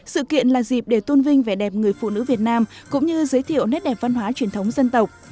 sự kiện là dịp để tôn vinh vẻ đẹp người phụ nữ việt nam cũng như giới thiệu nét đẹp văn hóa truyền thống dân tộc